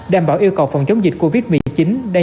đảm bảo yêu cầu phòng chống dịch covid một mươi chín